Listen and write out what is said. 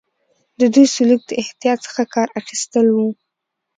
د دوی سلوک د احتیاط څخه کار اخیستل وو.